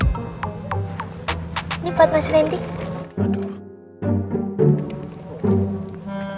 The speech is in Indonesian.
ini buat mas randy